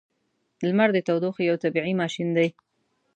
• لمر د تودوخې یو طبیعی ماشین دی.